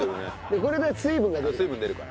これで水分が出るから。